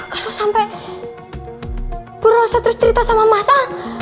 kalo sampe berusaha terus cerita sama masa